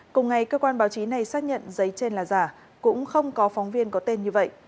cùng ngày cơ quan báo chí này xác nhận giấy trên là giả cũng không có phóng viên có tên như vậy